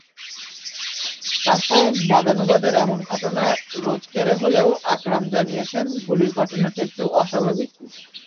রাস্তায় বাদানুবাদের এমন ঘটনা রোজকেরে হলেও আকরাম জানিয়েছেন, গুলির ঘটনাটি একটু অস্বাভাবিকই।